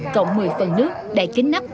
cộng mười phần nước đầy kính nắp